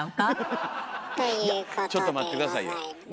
いやちょっと待って下さいよ。